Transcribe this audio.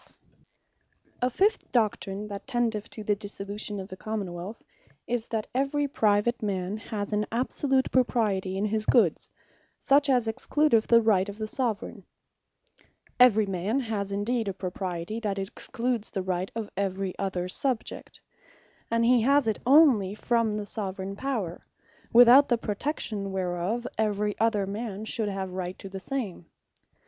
Attributing Of Absolute Propriety To The Subjects A Fifth doctrine, that tendeth to the Dissolution of a Common wealth, is, "That every private man has an absolute Propriety in his Goods; such, as excludeth the Right of the Soveraign." Every man has indeed a Propriety that excludes the Right of every other Subject: And he has it onely from the Soveraign Power; without the protection whereof, every other man should have equall Right to the same.